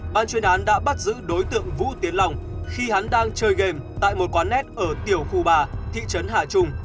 ban chuyên án đã bắt giữ đối tượng vũ tiến lòng khi hắn đang chơi game tại một quán nét ở tiểu khu ba thị trấn hà trung